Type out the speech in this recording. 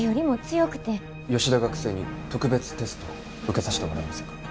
吉田学生に特別テストを受けさしてもらえませんか？